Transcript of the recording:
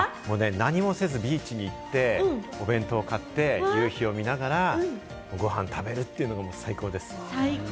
何もせずビーチに行って、夕日を見ながらご飯食べるというのが最高です。